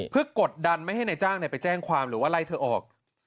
เพื่อกดดันไม่ให้นายจ้างไปแจ้งความหรือว่าไล่เธอออก